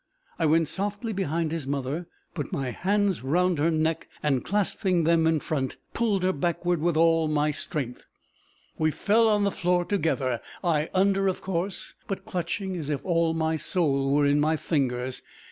I went softly behind his mother, put my hands round her neck, and clasping them in front, pulled her backward with all my strength. We fell on the floor together, I under of course, but clutching as if all my soul were in my fingers.